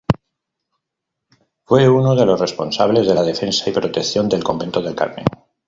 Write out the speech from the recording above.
Fue uno de los responsables de la defensa y protección del convento del Carmen.